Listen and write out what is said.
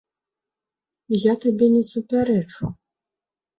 Я табе не супярэчу.